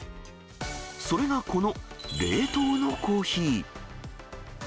それがこの冷凍のコーヒー。